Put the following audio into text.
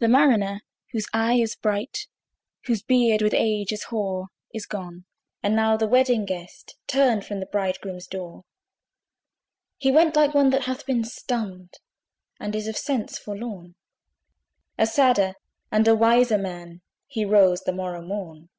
The Mariner, whose eye is bright, Whose beard with age is hoar, Is gone: and now the Wedding Guest Turned from the bridegroom's door. He went like one that hath been stunned, And is of sense forlorn: A sadder and a wiser man, He rose the morrow morn.